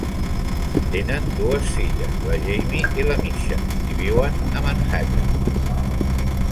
Tenen dues filles, la Jamie i la Misha, i viuen a Manhattan.